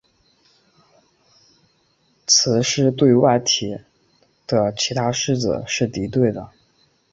雌狮对团体外的其他狮子是敌对的。